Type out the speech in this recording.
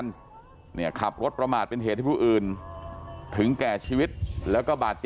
คนขับเขาแค่เจ็บนะ